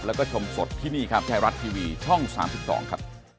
แล้วก็ชมสดที่นี่ครับไทยรัฐทีวีช่อง๓๒ครับ